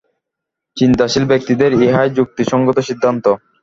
চিন্তাশীল ব্যক্তিদের ইহাই যুক্তিসঙ্গত সিদ্ধান্ত।